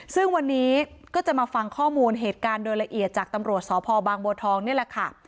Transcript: ซึ่งวันนี้ก็จะมาฟังข้อมูลเหตุการณ์โดยละเอียดจากตำรวจสพบางบัวทองนี่แหละค่ะ